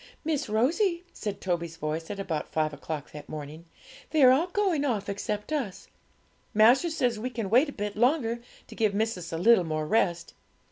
'Miss Rosie,' said Toby's voice, at about five o'clock that morning, 'they are all going off except us. Master says we can wait a bit longer, to give missis a little more rest.